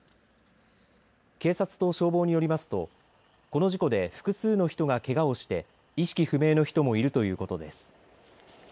警察と消防によりますとこの事故で複数の人がけがをして意識不明の人もいるということです。